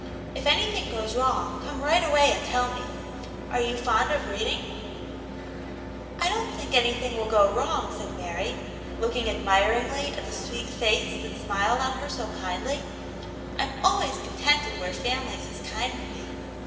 "If anything goes wrong, come right away and tell me. Are you fond of reading }"" I don't think anything will go wrong," said Mary, looking admiringly at the sweet face that smiled on her so kindly. " Fm always contented where families is kind to me.